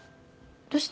どうした？